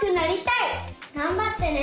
がんばってね！